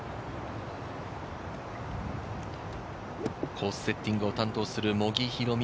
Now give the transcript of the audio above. コースセッティングを担当する茂木宏美